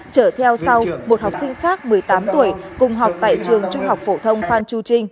trở theo sau một học sinh khác một mươi tám tuổi cùng học tại trường trung học phổ thông phan chu trinh